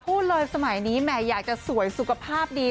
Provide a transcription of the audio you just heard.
พูดเลยสมัยนี้แหมอยากจะสวยสุขภาพดี